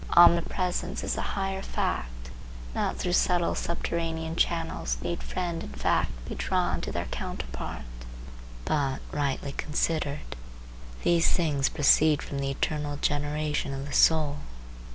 Omnipresence is a higher fact. Not through subtle subterranean channels need friend and fact be drawn to their counterpart, but, rightly considered, these things proceed from the eternal generation of the soul.